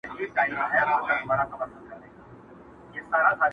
ما ویلي وه چي ته نه سړی کيږې،